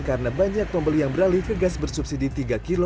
karena banyak pembeli yang beralih ke gas bersubsidi tiga kg